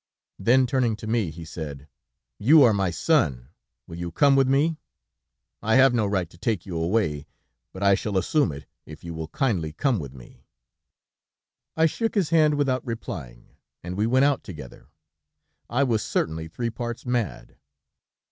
"Then, turning to me, he said: 'You are my son; will you come with me? I have no right to take you away, but I shall assume it, if you will kindly come with me.' I shook his hand without replying, and we went out together; I was certainly three parts mad.